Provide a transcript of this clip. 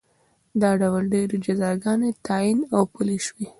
دا ډول ډېرې جزاګانې تعین او پلې شوې